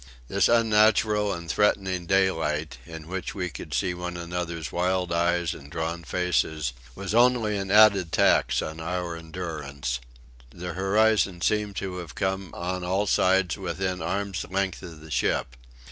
This unnatural and threatening daylight, in which we could see one another's wild eyes and drawn faces, was only an added tax on our endurance. The horizon seemed to have come on all sides within arm's length of the ship.